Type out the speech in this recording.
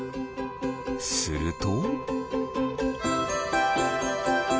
すると。